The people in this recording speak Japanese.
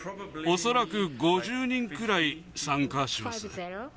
恐らく５０人くらい参加します。